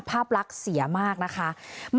ภาพลักษณ์เสียมากนะคะ